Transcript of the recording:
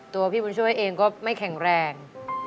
ตัวพี่บุญช่วยเองก็ไม่แข็งแรง